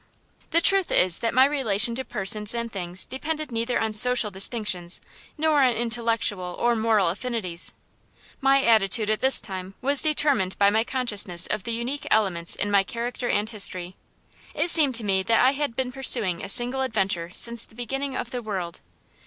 The truth is that my relation to persons and things depended neither on social distinctions nor on intellectual or moral affinities. My attitude, at this time, was determined by my consciousness of the unique elements in my character and history. It seemed to me that I had been pursuing a single adventure since the beginning of the world.